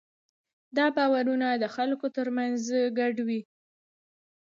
دا باورونه د خلکو ترمنځ ګډ وي.